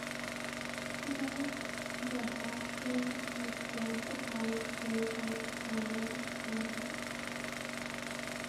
She managed the have him restored to power through her harem contacts.